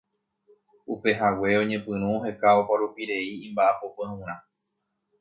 Upehague oñepyrũ oheka oparupirei imba'apo pyahurã.